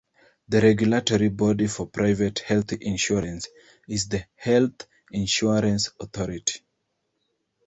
The regulatory body for private health insurance is the Health Insurance Authority.